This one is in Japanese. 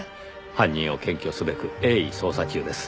犯人を検挙すべく鋭意捜査中です。